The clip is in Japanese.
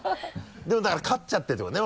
でもだから勝っちゃってるってことね？